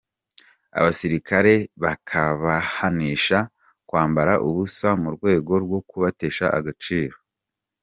Abasikare bakabahanisha kwambara ubusa mu rwego rwo kubatesha agaciro.